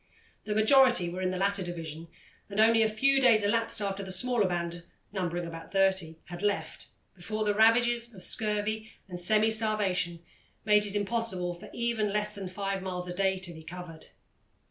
The majority were in the latter division, and only a few days elapsed after the smaller band, numbering about thirty, had left, before the ravages of scurvy and semi starvation made it impossible for even less than five miles a day to be covered.